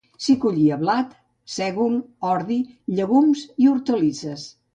S'hi collia blat, sègol, ordi, llegums i hortalisses.